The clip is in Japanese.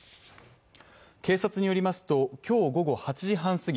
警察によりますと今日午後８時半過ぎ